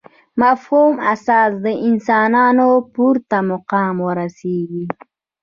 مفهوم اساس انسانان پورته مقام ورسېږي.